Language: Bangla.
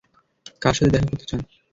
কার সাথে দেখা করতে চান?